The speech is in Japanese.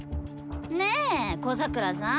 ねえ小桜さん？